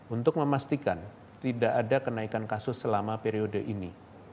untuk memastikan tidak ada kenaikan kasus selama periode ini